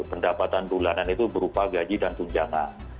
pendapatan bulanan itu berupa gaji dan tunjangan